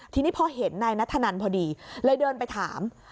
ทีนี้พอเห็นนายนัทธนันพอดีเลยเดินไปถาม